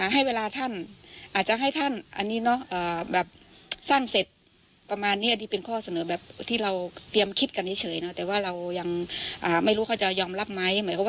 ให้เวลาท่านอาจจะให้ท่านสร้างเสร็จประมาณนี้